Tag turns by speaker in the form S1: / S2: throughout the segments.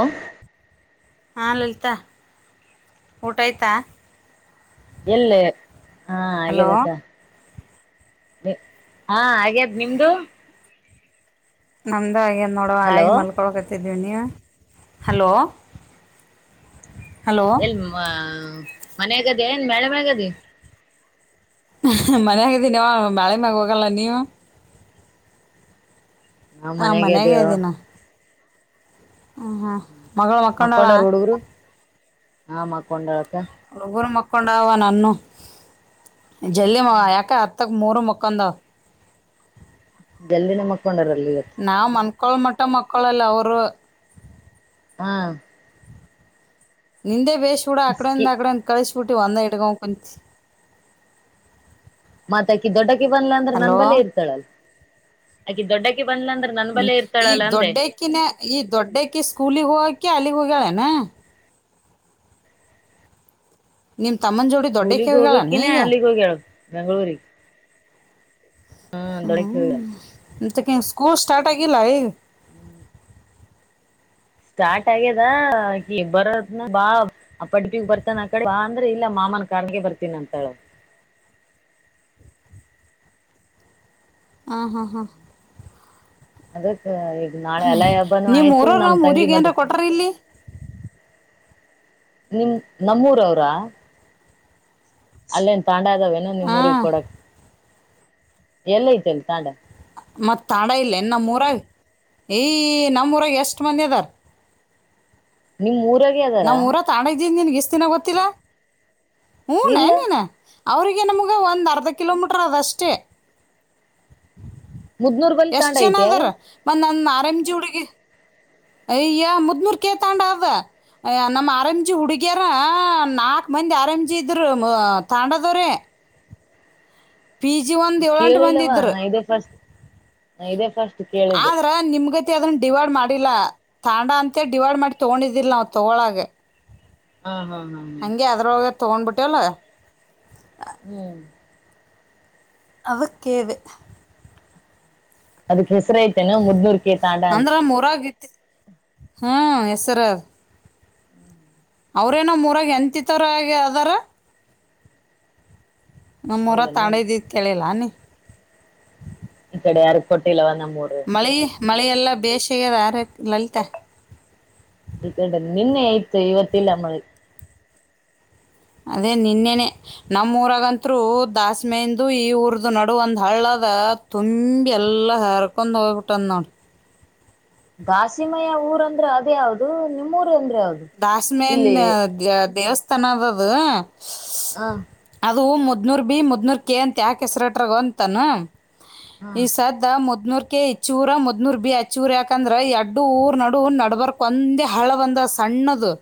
S1: ಹಾ
S2: ಹಾ ಲಲಿತಾ ಊಟ ಆಯ್ತಾ
S1: ಎಲ್ಲ ಹಾ
S2: ಹಲೋ
S1: ಹಾಗ್ಯದಕ್ಕ ಹಾ ಹಾಗ್ಯಾದ್ ನಿಮ್ದು
S2: ನ ನೋಡ
S1: ಹಲೋ
S2: ಹಾಗೆ ಮಲ್ಕೊಕ ಹ ಹಲೋ
S1: ಹ
S2: ಹಲೋ
S1: ಎಲ್ ಮನ್ಗದೇ ಏನ್ ಮಳ ಮಳಗದ
S2: ಮನ್ ಆಾಗಿದ್ದೀನಿವ ಬಾಳೆ ಮ್ಯಾಗ ಹೋಗಲ್ಲ ನೀವು
S1: ನಾ್
S2: ಹಾಂ ಮನ್ಯಾಗೆ
S1: ಮನೆಾಗ್ದವು
S2: ಹಞ ಹಾಂ ಮಗಳು ಮಕ್ಕಂಡಳ
S1: ಮಕ್ಕೊಂಡಾರ ಹುಡುಗರು ಹಾ ಮಕ್ಕೊಂಡ
S2: ಒಗರು ಮಕ್ಕೊಂಡುವ ನನ್ನು ಜಲ್ಲಿಮ ಆಯಕ ತಗ ಮೊರ ಮಕ್ಕಂದ
S1: ಎಲ್ಲಿ ನ ಮಕ್ಕೊಂಡ್ರ ಅಲ್ಲಿ ಇಗತ್ತು
S2: ಪುಟ್ಟ ಮಕ್ಕಳಲ್ಲಿ ಅವರು
S1: ಹಾ
S2: ನಿಂದೆ ವೇಶ ಹೂಡ ಆಕಡಂದ ಆಕಡಂದ ಕಳ್ ಚೂಟಿ ವಂದ ಇಡ್ಗಂ
S1: ಮಾತಕ್ಕೆ ದಡ್ಡ ಇಲ್ಲಾ, ಅಂದ್ರೆ, ನಂಧ್ರಾಲೆ, ಇರುತ್ತಾಳೆ, ಅಲ್ಲಿ, ಅಕ್ಕಿ, ದೊಡ್ಡಕ್ಕಿ... [inaudible]
S2: ಹ್ಮ, ಈಗ ದೊಡ್ಡಕ್ಕಿನ! ಈಗ ದೊಡ್ಡಕ್ಕಿ ಸ್ಕೂಲಿಗ್ ಹೋಗಕೆ ಅಲ್ಲಿಗ್ ಹೋಗಕೆ.. [inaudible] [inaudible] ಗಾಯನ.... [inaudible] ನೀನು.. [inaudible]
S1: ಸ್ಕೂಲಗ್, ಹೋಗಕೆನೆ, ಅಲ್ಲಿಗೆ ಹೋಗ್ಯಲೂ.. [inaudible] ಬೆಂಗಳೂರಿಗೆ? [inaudible] ಹಾ, ಬೇಡಕೂ, ಓಗುಯನೂರಿ. [inaudible]
S2: ಅದಕ್ಕೆ, ಸ್ಕೂಲ್ ಸ್ಟಾರ್ಟ್ ಆಗಿಲ್ಲ ಈಗು... [inaudible]
S1: ಹ್ಮ್... [inaudible] ಸ್ಟಾರ್ಟ್, ಆಗ್ಯದ, ಈಗ ಬರದನ ಬಾ ಅಪ್ಪಟಪಗ್ ಬರ್ತಾನ ಆ ಕಡೆ ಬಾ ಅಂದ್ರೆ ಇಲ್ಲ ಮಾಮನ್ ಕಾರಿಗೆ, ಬರ್ತೀನಿ ಅಂತಲೇ ಅವಳು.... [inaudible]
S2: ಹ, ಹಾ, ಹಾ. [inaudible]
S1: ಅದೇ... [inaudible]
S2: ನಿಮ್, ಊರರು
S1: ನಮ್
S2: ನ್
S1: ತಂಗಿ
S2: ಊರಿಗ್ ಏನ್
S1: ಮದ್
S2: ಕೊಟಾರ ಇಲ್ಲಿ? [inaudible]
S1: ನಿಮ್ಮು, ನಮ್ಮೂರ ಅವ್ರಾ... [inaudible] ಅಲ್ಲೇನ್, ಪಾಂಡ.. [inaudible] ನಾವಿಯೇನು, ನಿಮ್ ಊರಿಗೆ
S2: ಹಾಂ
S1: ಕೊಡಕ್? [inaudible] ಎಲ್ಲ, ಐತೆಲ್ಲಿ ತಾಂಡ? [inaudible]
S2: ಮತ್ತು ತಾಡ ಇಲ್ಲ ಏನು ನಮ್ಮೂರುಗ ಏ ನಮೂರಾಗ ಎಷ್ಟು ಮಂದಿ ಆಧಾರ್... [inaudible]
S1: ನಿಮ್, ಊರು.... [inaudible] ಫ್ರೀ, ಅಧಾರ... [inaudible]
S2: ಈ ನಿನ್ ಎಷ್ಟ ದಿನ ಗೊತ್ತಿಲ್ಲ? [inaudible] ಹು,
S1: ಇಲ್ಲ
S2: ಇನ್ನೇನು... [inaudible] ಅವರಿಗೆ, ನಮಗೆ ಒಂದು ಅರ್ಧ ಕಿಲೋಮೀಟರ್, ಅದಷ್ಟೇ.. [inaudible]
S1: ಮುದ್ನೂರ್ ಬಲ್ ತಾಂಡ
S2: ಎಷ್ಟ್, ಜನ,
S1: ಐತೆ
S2: ಆದರು, ಮತ್ತೆ, ನಾನು.. [inaudible] ಎಂ, ಜಿ ಹುಡುಗಿ ಅಯ್ಯೋ ಮೂಡುಮೂಡುತಂಡಾ, ಅದ ನಮ್ಮ್, ಆರ್ ಎಂ ಜಿ ಹುಡುಗಿಯರ ನಾಕ್ ಮಂದಿ ಆರು ಎಂ ಜಿ, ತಂಡದವರೇ? [inaudible] ಪಿ. ಜಿ, ಒಂದು ಏಳಂಟು
S1: ಕೇಳಿಲ್ಲವಾ
S2: ಮಂದಿದ್ದರು?
S1: ನಾ
S2: [inaudible]
S1: ಇದೇ ಫಸ್ಟ್ ನಾ, ಇದೇ ಫಸ್ಟ್ ಕೇಳಿದ್ದೆ? [inaudible]
S2: ಅದನ್ನ, ಡಿವೈಡ್ ಮಾಡಿಲ್ಲ, ತಾಂಡ ಅಂತ ಡಿವೈಡ್ ಮಾಡಿ. ತಗೊಂಡಿದ್ದಿಲ್ಲ, ತಕೋವಾಗು? [inaudible]
S1: ಹಾ, ಹಾ, ಹಾ.... [inaudible]
S2: ತಕೊಂಡು ಬಿಟ್ಯಲ್ಲೊ.. [inaudible]
S1: ಹ್ಮ್... [inaudible]
S2: ಅಧಿಕೆಕೇಳಿದೆ.. [inaudible]
S1: ಅದಕೂ.. [inaudible] ಹೆಸರು, ಐತೆೇನೂ ಮುದ್ನೂರ್ಕಿ ತಾಂಡ ಅಂತ? [inaudible]
S2: ಹ್ಮ್, ಹೆಸರು? [inaudible] ಅವ್ರೇನೋ, ಮೂರಾಗ ಹೆಂಡತಿತರ, ಆಧಾರ.. [inaudible] ನಮ್ಮೂರ,
S1: ಹೌದೇನು
S2: ತಂಡ, ಇದ್ದಿದ್ದು ಕೇಳಿಲ್ಲ ಅನ್ನಿ? [inaudible]
S1: ಈ ಕಡೆ ಯಾರಗ್ ಕೊಟ್ಟಿಲ್ಲವ ನಮ್ಮ
S2: ಮಳೆ ಮಳೆಯೆಲ್ಲ ಬೇಷೆಗೆದ ಆರ ಲಲಿತಾ
S1: ಈಗ ನಿನ್ನೆ ಆಯ್ತ ಇವತ್ತಿಲ್ಲ ಮಳಿ
S2: ಅದೇ ನಿನ್ನೆನೆ ನಮ್ಮೂರಾಗತ್ರು ದಸ್ಮಹಂದು ಈ ಊರದು ನಡು ಒಂದ್ ಹಳ್ಳದ ತುಂಬಿ ಎಲ್ಲಾ ಹರ್ಕೊಂಡ್ ಹೋಗ್ಬಿಟ್ಟಂದ್ ನೋಡ
S1: ದಾಸಿಮಯ ಊರಂದ್ರೆ ಅದ ಯಾವ್ದದು ನಿಮ್ಮೂ
S2: ದಾಸಮೇನ್ ದೇವಸ್ಥಾನ. ತನಾಅದ.
S1: ಹ
S2: ಅದು ಮುದ್ರ್ ಬಿ ಮುದ್ನೂರ್ ಕೆ ಅಂತ ಯಾಕ ಹೆಸರ ಇಟ್ಟರ್ ಗೊತ್ತನ.
S1: ಹ
S2: ಇ ಸದ್ದ ಮುದನೂರ್ ಕೆ ಹೆಚ್ಚೂರ ಮುದ್ನೂರ್ ಬಿ ಹೆಚ್ಚೂರ ಯಾಕಂದ್ರೆ ಎರಡು ಊರ್ ನಡು ನಡಬರ್ಕ್ ಒಂದೇ ಹಳ್ಳ ಬಂದದ. ಸಣ್ಣದು.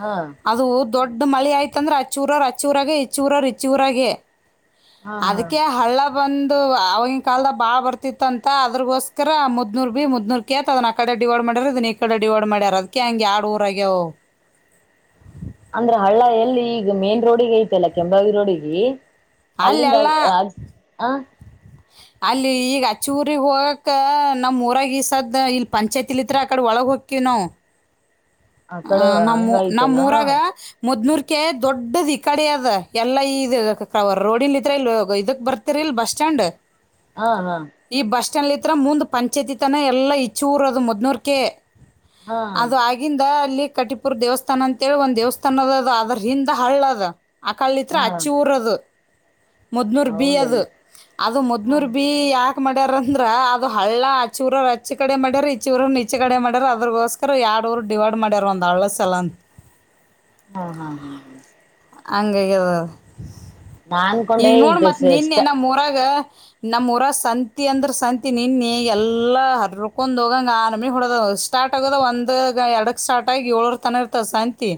S1: ಹಾ
S2: ಅದು ದೊಡ್ಡ ಮಳೆ ಆಯ್ತುಂದ್ರೆ ಹಚ್ಚೂರವ್ರು ಹಚ್ಚೂರಾಗೆ ಇಚ್ಚೂರವ್ರು ಇಚ್ಚೂರಾಗೆ.
S1: ಹಾ ಹಾ
S2: ಅದಕ್ಕೆ ಹಳ್ಳ ಬಂದು ಅವಾಗಿನ ಕಾಲದ ಬಾಳ ಬರ್ತಿತ್ತ ಅಂತ ಅದ್ರಗೋಸ್ಕರ ಮುದ್ನೂರ್ ಬಿ ಮುದ್ನೂರ್ ಕೇ ಅದನ್ ಆ ಕಡೆ ಡಿವೈಡ್ ಮಾಡ್ಯಾರ ಇದನ್ ಈ ಕಡೆ ಡಿವೈಡ್ ಮಾಡ್ಯಾರ ಅದ್ಕ ಹೆಂಗಗೆ ಯಾಡ್ ಊರ ಆಗ್ಯಾವ ಅವ.
S1: ಅಂದ್ರ ಹಳ್ಳ ಎಲ್ಲಿ ಈಗ ಮೇನ್ ರೋಡಿಗೆ ಐತೆಲ್ಲ ಕೆಂಬಾವಿ ರೋಡಿಗೆ - ಅಲ್ಲಿಂದ
S2: ಅಲ್ಲೆಲ್ಲ
S1: ಆ ಹ
S2: ಅಲ್ಲಿ ಈಗ ಆಚಿ ಊರಿಗ್ ಹೋಗಕ್ ನಮ್ ಊರಾಗ ಈಸದ್ದ ಇಲ್ ಪಂಚಾಯತಿಲಿಂತ್ರ ಆ ಕಡೆ ಒಳಗ ಹೊಕ್ಕಿವಿ ನಾವು.
S1: ಆ
S2: ಹ
S1: ಕಡೆ
S2: ನಮ್ಮ್
S1: ಹಂಗ ಐತೆನಾ
S2: ನಮ್ಮ ಊರಾಗ ಮೊದ್ನೂರ್. ಅಕ ದೊಡ್ಡದದು ಈ ಕಡೆ ಅದ್ ಎಲ್ಲಾ ಇದ ರೋಡ್ ಇಲ್ ಇದ್ರ ಇ ಇದಕ್ ಬರ್ತಿರಿ ಇಲ್ ಬಸ್ ಸ್ಟಾಂಡ್-
S1: ಹಾ ಹಾ
S2: ಎಲ್ಲಿ ಹತ್ರ ಮುಂದು ಪಂಚಾಯತಿ ತನ ಎಲ್ಲ ಇಚ್ಚೂರೋದು ಮೊದ್ನೂರ ಕೆ
S1: ಹಾ
S2: ಅದು ಆಗಿಂದ. ಲ್ಲಿ ಕಟಿಪುರ್ ದೇವಸ್ಥಾನ ಅಂತೇಳಿ ಒಂದ ದೇವಸ್ಥಾನ ಅದ ಅದ್ರ ಹಿಂದ ಹಳ್ಳ ಅದ. ಆ ಕಡೆಲಿಂತ್ರ
S1: ಹಾ
S2: ಅಚ್ಚಿ ಊರದು. ಮುದ್ನೂರ್ ಬಿ
S1: ಹೌದಲ್ಲ
S2: ಅದು ಅದು
S1: ಹ
S2: ಮುದ್ನೂರ್ ಬಿ ಯಾಕ ಮಾಡ್ಯಾರ ಅಂದ್ರ ಅದು ಹಳ್ಳ ಆಚಿ ಊರವರ ಹಚ್ಚಿಕಡೆ ಮಾಡ್ಯಾರ ಇಚ್ಚಿ ಊರವರ ಇಚಿ ಕಡೆ ಮಾಡ್ಯಾರ ಅದ್ರಗೋಸ್ಕರ ಎರಡೂರು ಡಿವೈಡ್ - ಮಾಡ್ಯಾರ ಒಂದ ಹಳ್ಳ ಸಲ ಅಂತ
S1: ಹ್ಮ ಹಾ ಹ್ಮ ಹ್ಮ
S2: ಹಂಗ ಆಗೇದ ಅದ
S1: ನಾನ್ಕೊಂಡೆ
S2: ಈಗ ನೋಡ್ ಮತ್
S1: ಶ್ರೇಷ್ಠ
S2: ನಿನ್ನೆ ನಮ್ಮ ಊರಾಗ. ನಮ್ಮ್ಊರಗ ಸಂತಿ ಅಂದ್ರ ಸಂತಿ ನಿನ್ನೆ ಎಲ್ಲಾ ಹರಕೊಂಡ್ ಹೋಗಂಗ ಆ ನಮಿ ಹೊಡದ ಸ್ಟಾರ್ಟ್ ಆಗದ ಒಂದ ಎರಡ ಸ್ಟಾರ್ಟ್ ಆಗಿ ಏಳರ್ ತನ ಇರ್ತಾವ ಸಂತಿ.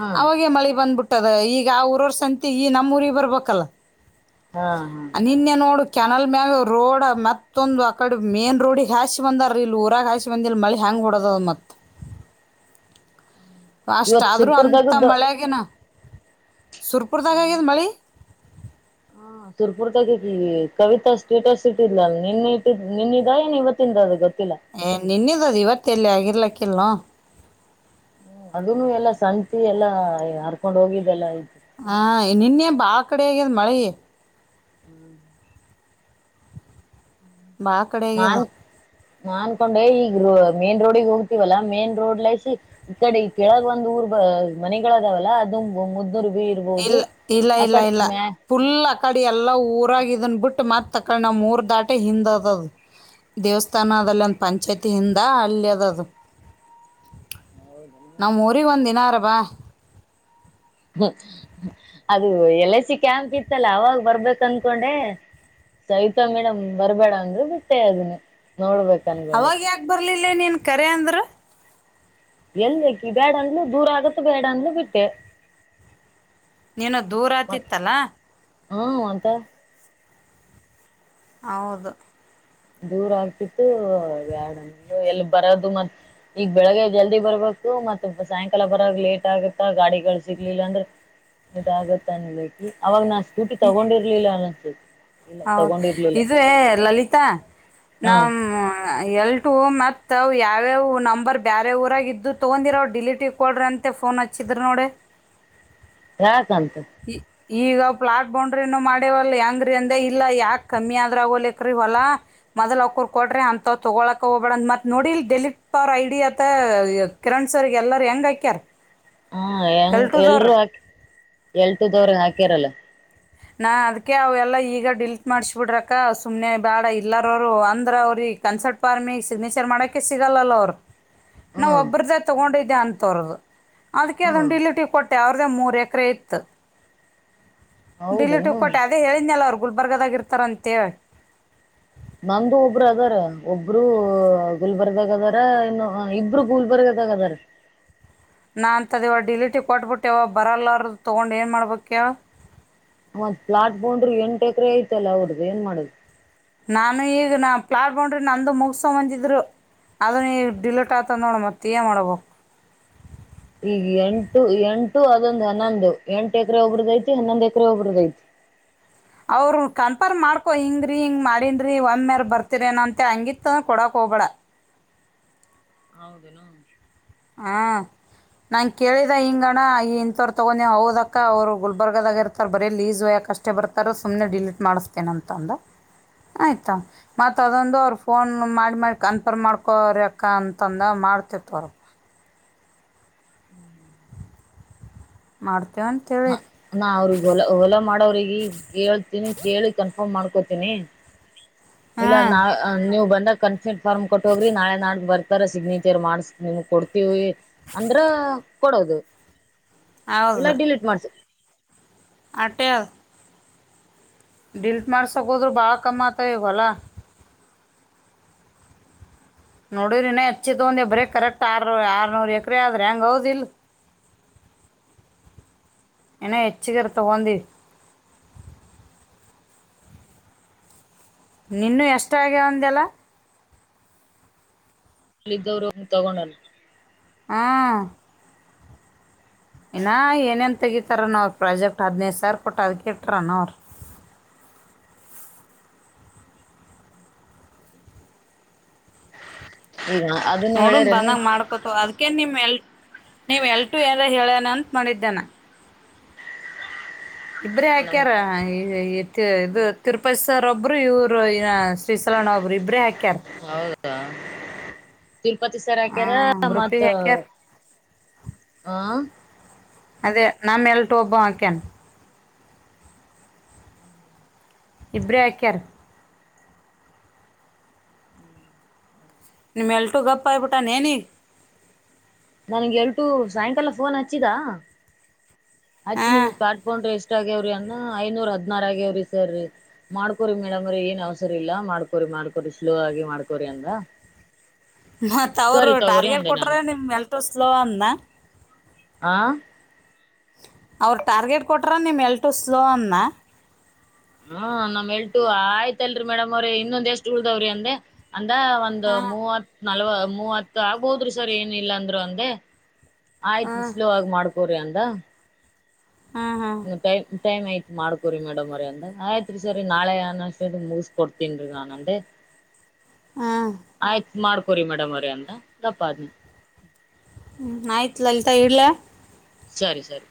S1: ಹಾ
S2: ಅವಾಗ ಮಳೆ ಬಂದ್ಬಿಟ್ಟು ದ ಈಗ ಆ ಊರವ್ರ ಸಂತಿಗಿ ನಮ್ಮ ಊರಿಗೆ ಬರ್ಬೇಕಲ್ಲ. ಹಾ ನಿನ್ನೆ ನೋಡು. ಕೆನಲ್ ಮ್ಯಾಗ ರೋಡ್ ಮತ್ತೊಂದು ಆಕಡೆ ಮೇನ್ ರೋಡಿಗೆ ಹಾಸಿ ಬಂದಾರ ಇಲ್ಲಿ ಊರಾಗ ಹಾಸಿ ಬಂದಿಲ್ಲ ಮಳೆ ಹಾಂಗ ಹೊಡೆದದ ಮತ್ತ. ಅಷ್ಟ
S1: ಇವತ್
S2: ಆದ್ರೂ ಅಂತ
S1: ಶಿರ್ಪುರ್ದಾಗದ್ದು
S2: ಮಳೆಗೆನಾ. ಸುರಪುರ್ದಾಗ ಆಗಿದೆ ಮಳಿ
S1: ಹ ಸುರಪುರ್ದಾಗ ಇದ್ದೀವಿ ಕವಿತಾ ಸ್ಟೇಟಸ್ ಇಟ್ಟಿದಲಲ್ ನಿನ್ ಇಟ್ಟಿದ ನಿನ್ನೇದಾ ಎನ್ ಇವತ್ತಿಂದ ಅ ಗೊತ್ತ.
S2: ಏ ನೆನೆದದು ಇವತ್ತು ತಲ್ಲಿ ಆಗಿರ್ಲಕ್ಕಿಲ್ಲ
S1: ಅದನ್ನು ಎಲ್ಲ ಸಂತಿ ಎಲ್ಲಾ ಹರ್ಕೊಂಡ್ ಹೋಗಿದ್ದ ಎಲ್ಲ
S2: ಹಾ ನಿನ್ನೆ ಬಾ ಕಡೆ ಆಗದ್ ಮಳೆ
S1: ಹ್ಮ್
S2: ಭಾ ಕಡೆ ಆಗ್ಯದ
S1: ನಾನ್ ನಾ ಅನ್ಕೊಂಡೆ ಈಗ ಮೇನ್ ರೋಡಿಗೆ ಹೋಗ್ತಿೀವಲ್ಲಾ ಮೇನ್ ರೋಡ್ಲಸ ಈ ಕಡೆ ಈ ಕೆಳದ್ ಒಂದ್ ಊರ್ ಮನೆಗಳದಾವಲ್ಲ ಅದು ಮುದ್ದ
S2: ಇಲ್ಲ ಇಲ್ಲ ಇಲ್ಲ ಇಲ್ಲ
S1: ಮ್ಯಾ
S2: ಫುಲ್ ಕಡಿಯ ಎಲ್ಲ ಊರಾಗಿದನ್ ಬಿಟ್ಟು ಮತ್ತೆ ತಕೊಂಡ ನ ಮೂರ್ ದಾಟೆ ಹಿಂದ್ ಅದದ ದೇವಸ್ಥಾನದದಲ್ಲಿ ಒಂದು ಪಂಚಾಯತಿ ಹಿಂದ ಅಲ್ಲಿ ಅದದು ನಮ್ಮ ಊರಿಗೆ ಒಂದ ದಿನ ಅರ ವಾಹ್
S1: ಅದು ಎಲ್ ಐ ಸಿ ಕ್ಯಾಂಪ್ ಇತ್ತಲ್ಲ ಅವಾಗ ಬರ್ಬೇಕ ಅಂದಕೊಂಡೆ ಸವಿತಾ ಮೇಡಮ್ ಬರ್ಬೇಡ ಅಂದ್ರು ಬಿಟ್ಟೆ ಅದನ್ನ ನೋಡ್ಬೇಕ ಅನ್ಕೊಂಡಿ
S2: ಇ ನೀನ್ ಕರೆ ಅಂದ್ರ
S1: ಎಲ್ಲಕಿ ಬೇಡ ಅಂದ್ಲೂ ದೂರ ಆಗತ್ತ ಬೇಡ ಅಂದ್ಲೂ ಬಿಟ್ಟೆ
S2: ನೀನು ದೂರ ಆತಿತ್ತಲಾ
S1: ಹ್ಮ ಅಂತ
S2: ಹೌದು
S1: ದೂರ ಆಗ್ತಿತ್ತು ಎ್ಯಾಡ ಎಲ್ಲಿ ಬರೋದು ಮತ್ ಈಗ ಬೆಳಗ್ಗೆ ಜಲ್ದಿ ಬರ್ಬೇಕು ಮತ್ ಸಾಯಂಕಾಲ ಬರಾಗ ಲೇಟ್ ಆಗತ್ತ ಗಾಡಿಗಳು ಸಿಗ್ಲಿಲ್ಲ ಅಂದ್ರೆ ಲೇಟ್ ಆಗುತ್ತ ಅನ್ಬೇಕಿ ಅವಾಗ ನಾ ಸ್ಕೂಟಿ ತಗೊಂಡಿರ್ಲಿಲ್ಲ ಅಲ್ಲ ಹ್ಮ
S2: ಹೌದು ಇದೆ ಲಲಿತ್ ತಾ
S1: ಹಾ
S2: ನಮ್ ಹೆ ಟು ಮತ್ತುತ್ತ ಅವು ಯಾವ್ಯಾವವು ನಂಬರ್ ಬೇರೆ ಊರಾಗಿದ್ದು ತೊಗೊಂಡಿರ ಅವವು ಡಿಲೀಟ್ ಇಕೊಳ್ರ ಅಂತೆ ಫೋನ್ ಹಚ್ಚಿದ್ರ ನೋಡಿ
S1: ಹಾ ಅಂತೆ
S2: ಈ- ಈಗ ಪ್ಲಾಟ್ ಬೌಂಡ್ರಿನ ಮಾಡೇವಲ್ ಹೆಂಗ್ರೀ ಅಂದೆ ಇಲ್ಲ ಯಾಕ ಕಮ್ಮಿ ಆದ್ರ ಆಗೋಲಕ್ರೀ ಹೊಲಾ ಮೊದಲ ಅವಕ್ಕರ್ ಕೊಟ್ರಿ ಅಂತ ತೊಗೊಳಕ ಹೋಗಬೇಡಂದ್ ಮತ್ತತ್ ನೋಡಿಲ್ ಡೆಲಟ್ ಪ ಅವರ್ ಐಡಿಿಯ ಅತ್ತ ಕಿರಣ್ ಸರ್ ಎಲ್ಲಾರ ಹೆಂಗ ಆಕ್ಯಾರ
S1: ಹಾ ಎಂಗ ಎಲ್ರುೂ ಆಕ ಎಳ್ತದವ್ರಗ್ ಹಾಕ್ಯಾರಲ್ಲ
S2: ನಾ ಅದಕ್ಕೆ ಅವೆಲ್ಲ ಈಗ ಡಿಲೀಟ್ ಮಾಡಿಸ್ಬಿಡ್ರಕ್ಕ ಸುಮ್ಮ್ನೆ ಬೇಡ ಇಲ್ಲಾರರು ಅಂದ್ರೆ ಅವ್ರಿಗೆ ಕನ್ಸರ್ಟ್ ಫಾರ್ಮಿಗೆ ಸಿಗ್ನೇಚರ್ ಮಾಡೋಕೆ ಸಿಗಲ್ಲಲ್ಲ ಅವ್ರು ನಾವ್
S1: ಹ್ಮ್
S2: ಒಬ್ಬ್ರ್ದ ತೊಗೊಂಡವಿ ಇನ್ ತೊರದು ಅದಕ್ಕೆ
S1: ಹ್ಮ್
S2: ಅದಂದು ಇಲ್ಲಿಟ ಕೊಟ್ಟ ಟಾವ್ರದ ಮೂರು ಎಕರೆ ಇತ್ತು ಡಿಲೀಟ್
S1: ಹೌದೇನು
S2: ಕೊಟ್ಟ ಅದ ಹೇಳಿದ್ಲ್ಲ ಅವ ಗುಲ್ಬರ್ಗದಾಗಿ ಇರ್ತಾರಂತೆ ಹೇಳಿ
S1: ನಮ್ದು ಒಬ್ರು ಅದಾರ ಒಬ್ರುೂ ಗುಲ್ಬರ್ಗದಾಗ ಅದಾರ ಇನ್ನು ಇಬ್ರು ಗುಲ್ಬರ್ಗದಾಗ ಅದಾರ
S2: ನಾ ಅಂತದ್ದ ಇವ ಡಿಲೀಟಿಗೆ ಕೊಟ್ಬಿಟ್ಟೆವ ಬರಲ್ಲಾರ್ದ ತೊಗೊಂಡು ಏನು ಮಾಡ್ಬೇಕ್ಯ
S1: ಮತ್ ಪ್ಲಾಟ್ ಬೊಂಡ್ರರು ಎಂಟು ಎಕರೆ ಐತಲ್ಲ ಅವಡ್ದು ಏನ್ ಮಾಡುದು
S2: ನಾನು ಈಗ ನಾ ಪ್ಲಾಟ್ ಬೊಂಡ್ರಿ ನಂದು ಮುಗಸ ಬಂದಿದ್ರು ಅದನ್ನ ಈ ಡಿಲೀಟ್ ಆತ ನೋಡ ಮತ್ತ ಏನ್ ಮಾಡೋಬೇಕು
S1: ಈಗ ಎಂಟು ಎಂಟು ಅದೊಂದು ಹನ್ನೊಂದು ಎಂಟು ಎಕರೆ ಒಬ್ರದ್ದ ಐತಿ ಹನ್ನೊಂದು ಎಕರೆ ಒಬ್ರದ ಐತಿ
S2: ಅವ್ರ ಕನ್ಫರ್ಮ್ ಮಾಡ್ಕೊ ಹಿಂಗ್ರೀ ಹಿಂಗ್ ಮಾಡನ್ರಿ ಒಂದ ಮ್ಯರ್ ಬರ್ತಿರಏನೋ ಅಂತ ಹಂಗಿತ್ ಕೊಡಕ್ ಹೋಗಬೇಡ
S1: ಹೌದುನು
S2: ಹಾ ನಾನಗೆ ಕೇಳಿದೆ ಹಿಂಗಣ್ಣ ಈ ಇಂಥವ್ರು ತಗೊಂಡೀವು ಹದಕ್ಕ ಅವ್ರು ಗುಲ್ಬರ್ಗದಾಗೆ ಇರ್ತಾರೆ ಬರೀ ಲೀಸ್ುಯಾಕೆ ಅಷ್ಟೇ ಬರ್ತಾರ ಸುಮ್ಮ್ನೆ ಡಿಲೀಟ್ ಮಾಡಿಸ್ತೇನ ಅಂತಂದು ಆಯಿತಾ ಮತ್ತುತ್ತ ಅದೊಂದು ಅವ್ರು ಫೋನ್ ಮಾಡಿ ಮಾಡಿ ಕನ್ಫರ್ಮ್ ಮಾಡ್ಕ್ಯಾಕ ಅಂತಂದು ಮಾಡ್ತಿತ್ತು ಅವ್ರ ಮಾಡ್ತೇವಂತ ಹೇಳ
S1: ನ ಅವ್ರಿಗೆ ಹೊಲ ಹೊಲ ಮಾಡೋವ್ರಿಗೆ ಈ ಕೇಳ್ತೀನಿ ಕೇಳಿ ಕನ್ಫರ್ಮ್ ಮಾಡ್ಕೋತೀನಿ ಇಲ್ಲ
S2: ಹಾಂ
S1: ನಾ ನೀವು ಬನ್ನಿ ಕನ್ಫೆಂಟ್ ಫಾರ್ಮ್ ಕೊಟ್ಟ ಹೋಗ್ರಿ ನಾಳೆ ನಾ ಬರ್ತಾರ ಸಿಗ್ನೇಚರ್ ಮಾಡಸ ನಿಮ ಕೊಡ್ತೀವಿ ಅಂದ್ರ ಕೊಡೋದು ಇಲ್ಲ ಡಿಲೀಟ್ ಮಾಡ್ಸಿ
S2: ಆಟೆ ಡೀಲಿಟ್ ಮಾಡ್ಸಗೋದ್ರು ಭಾಳ ಕಮ್ಮ್ ಆತ ಇವಲ್ಲಾ ನೋಡ್ರ ಇನ ಹೆಚ್ಚಿ ತಗೊಂಡಿ ಬ್ರೇ ಕರೆಕ್ಟ್ ಆರ್ ಆರ್ನೂರ್ ಎಕ್ರ ಆದ್ರೆ ಹೆಂಗೌದಲ್ ಇನ ಹೆಚ್ಚಗರ್ ತಗೊಂಡಿ ನಿನು ಎಷ್ಟ ಆಗ್ಯ ಅಂದೆಲ್ಲ
S1: ಅಲ್ಲಿದ್ದವರು ತಗೊಂಡನ
S2: ಹ ಇನ್ನ ಏನೇನ್ ತೆಗಿತಾರನ ಅವರು ಪ್ರಾಜೆಕ್ಟ್ ಹದ್ನೈದ ಸಾವರ ಕೊಟ್ಟ ಅದಕ ಇಟ್ರನ ಅವ್ರ
S1: ಈಗ ಅದನ್ನು
S2: ನೋಡನ್
S1: ಹೇಳ್ಯಾರೇನು
S2: ಬಂದಂಗ ಮಾಡ್ಕೊತ ಅದಕೇನ್ ನಿಮ್ ಎಲ್ ನೀವ ಎಲ್ಟು ಎಲ್ಲ ಹೇಳನ ಅಂತ ಮಾಡಿದ್ದನ ಇಬ್ರ
S1: ನಮ್
S2: ಹಾಕ್ಯಾರ ಇದು ತಿರುಪತಿ ಸರ್ ಒಬ್ರು ಇವರು ಇ ಶ್ರೀಸಲಣ್ಣ ಒಬ್ರು ಇಬ್ರೇ ಹಾಕ್ಯಾರ್
S1: ಹೌದ ತಿರುಪತಿ ಸರ್ ಹಾಕ್ಯಾರ
S2: ಹಾಂ
S1: ಮತ್ತ
S2: ಗ್ರೂಪಿಗೆ ಹಾಕ್ಯಾರ
S1: ಆ
S2: ಅದೇ ನಾ ಮೇಲೆಟ ಒಬ್ಬ ಆಕ್ಯನ್ ಇಬ್ಬ್ರಾಕರ್
S1: ಹ
S2: ನಿಮ್ಮೆಲ್ಟು ಗಪ್ಪ ಆಯಬಿಟ್ಟಾನೇನ
S1: ನನ್ಗೆ ಎರಟು ಸಾಯಂಕಾಲ ಫೋನ್ ಹಚ್ಚಿದ ಅಚ್ ನಿಮ್
S2: ಹಾಂ
S1: ಕಾಡ್ಕೊಂಡ್ರೆಷ್ಟ ಅಷ್ಟ ಆಗ್ಯವ್ರಿ ಅಂದ ಐನೂರ ಹದ್ನಾರ ಆಗ್ಯವ್ರಿ ಸರ್ ಮಾಡ್ಕೋರಿಿ ಮೇಡಮ್್ರೀ ಏನ್ ಅವಸರ ಇಾ ಮಾಡ್ಕೋರಿ ಮಾಡ್ಕೋರಿ ಸ್ಲೋ ಆಗಿ ಮಾಡ್ಕೋರಿ ಅಂದ
S2: ಮತ್ತ ಅವರು
S1: ಸರಿ ತಗೋರಿ
S2: ಟಾರ್ಗೆಟ್
S1: ಅಂದೆ
S2: ಕೊಟ್ರ
S1: ನಾನು
S2: ನಿಮ್ಮ ಮಲ್ಟು ಸ್ಲೋ ಅಂದನಾ
S1: ಆ
S2: ಅವ್ರ ಟಾರ್ಗೆಟ್ ಕೊಟ್ರ ನಿಮ್ ಎಲ್ಟು ಸ್ಲೋ ಅನ್ನ
S1: ಹ್ಮ ನಮ್ ಎಲ್ಟು ಆಯ್ತಲ್ರಿ ಮೇಡಮ್ ಅವ್ರ ಇನ್ನೊಂದ್ ಎಷ್ಟ್ ಉಳ್ದಾವ್ರಿ ಅಂದೆ ಅಂದ ಒಂದು
S2: ಹಾಂ
S1: ಮೂವ ನಲ್ವ ಮೂವತ್ತು ಆಗ್ಬೋದ್ರಿ ಸರ್ ಏನ ಇಲ್ಲಾ ಅಂದ್ರರು ಅಂದೆ ಆಯ್ತ್ು
S2: ಹಾಂ
S1: ಸ್ಲೋ ಆಗ ಮಾಡ್ಕ ಗರೆಯಿಂದ
S2: ಹ್ಮ್ ಹ್ಮ
S1: ಟೈಮ್ ಆಯ್ತ್ ಮಾಡ್ಕೋರಿ ಮೇಡಮ್ರಿ ಅಂದ ಆಯ್ತ್ ರರಿ ಸರಿ ನಾಳೆ ಅನ ಮುಗಿಸಕೊಡ್ತೀನ್ ರೀ ನಾನನ್ ಅೆ
S2: ಹಾಂ
S1: ಆಯ್ತು ಮಾಡ್ಕೊರಿ ಮೇಡಮ್ ಅವರಿ ಅಂತ ದಪ್ಪ್ನ
S2: ಹ್ಮ್ ಆಯ್ತ್ಲಲ್ತಾ ಇಲ
S1: ಸರಿ ಸರಿ